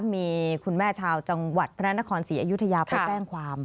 มีคุณแม่ชาวจังหวัดพระนครศรีอยุธยาไปแจ้งความ